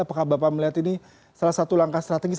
apakah bapak melihat ini salah satu langkah strategis